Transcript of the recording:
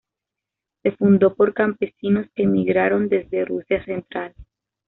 Se fundó por campesinos que emigraron desde Rusia central.